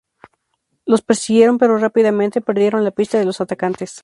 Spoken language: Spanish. Los persiguieron, pero rápidamente perdieron la pista de los atacantes.